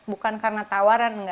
bukan karena tawaran